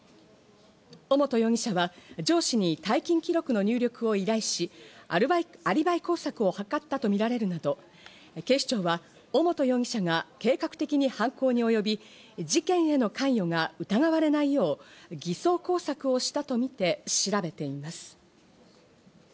尾本容疑者は上司に退勤記録の入力を依頼し、アリバイ工作を図ったとみられるなど、警視庁は尾本容疑者が計画的に犯行に及び、事件への関与が疑われないよう偽装工作をしたとみて調べています。